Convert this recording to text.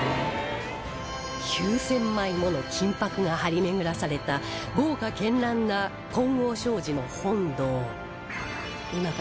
９０００枚もの金箔が張り巡らされた豪華絢爛な金剛證寺の本堂